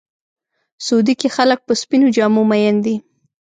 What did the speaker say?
سعودي کې خلک په سپینو جامو مین دي.